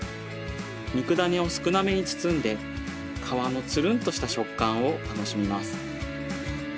肉ダネを少なめに包んで皮のつるんとした食感を楽しみます。